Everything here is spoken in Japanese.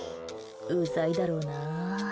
うざいだろうなあ。